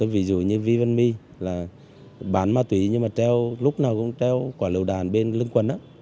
ví dụ như vy vân my là bán ma túy nhưng mà lúc nào cũng treo quả lựu đạn bên lưng quần